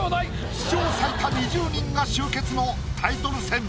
史上最多２０人が集結のタイトル戦。